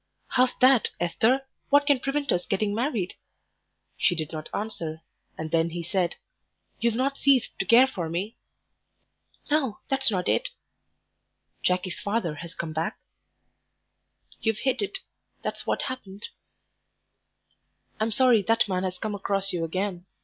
"How's that, Esther? What can prevent us getting married?" She did not answer, and then he said, "You've not ceased to care for me?" "No, that's not it." "Jackie's father has come back?" "You've hit it, that's what happened." "I'm sorry that man has come across you again.